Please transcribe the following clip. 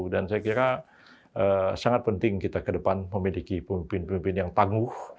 saya kira sangat penting kita ke depan memiliki pemimpin pemimpin yang tangguh